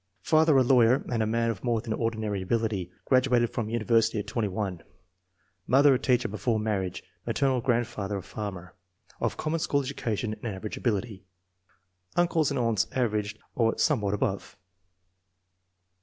1 Father a lawyer and a man of more than ordinary ability. Graduated from university at 81. Mother a teacher before marriage. Maternal grandfather a farmer, of common school education and average abil ity. Uncles and aunts average or somewhat above.